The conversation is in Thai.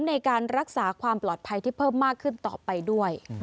ในการรักษาความปลอดภัยที่เพิ่มมากขึ้นต่อไปด้วย